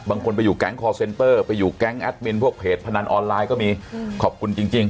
บางคนไปอยู่แก๊งไปอยู่แก๊งพวกเพจพนันออนไลน์ก็มีขอบคุณจริงจริง